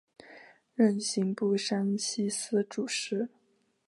任刑部山西司主事。